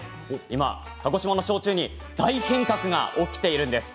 今、鹿児島の焼酎に大変革が起きているんです。